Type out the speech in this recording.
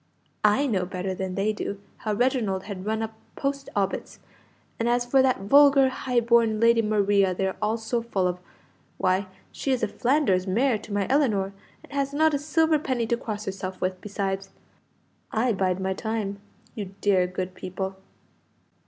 I know better than they do how Reginald has run up post obits, and as for that vulgar high born Lady Maria they are all so full of, why, she is a Flanders mare to my Ellinor, and has not a silver penny to cross herself with, besides! I bide my time, you dear good people!"